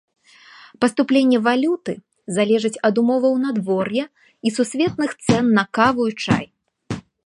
Паступленне валюты залежыць ад умоваў надвор'я і сусветных цэн на каву і чай.